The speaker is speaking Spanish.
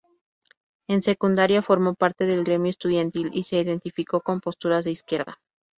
En secundaria formó parte del gremio estudiantil y se identificó con posturas de izquierda.